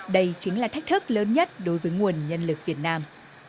đây chính là thách thức lớn nhất đối với nguồn nhân lực việt nam